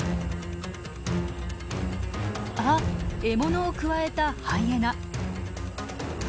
あっ獲物をくわえたハイエナ。